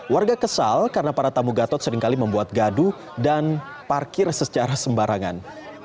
warga kesal karena para tamu gatot seringkali membuat gaduh dan parkir secara sembarangan